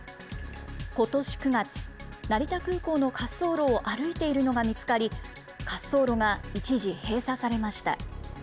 ことし９月、成田空港の滑走路を歩いているのが見つかり、滑走路が一時閉鎖されました。